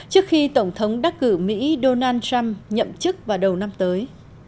trước khi tổng thống đắc cử mỹ donald trump nhậm chức vào đầu năm tới